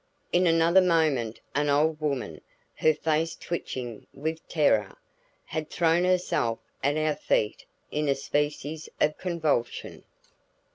In another moment an old woman, her face twitching with terror, had thrown herself at our feet in a species of convulsion.